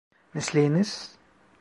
Mesleğiniz?